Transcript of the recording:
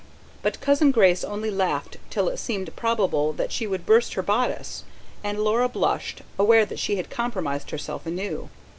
But Cousin Grace only laughed till it seemed probable that she would burst her bodice; and Laura blushed, aware that she had compromised herself anew.